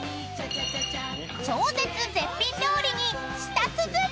［超絶絶品料理に舌鼓］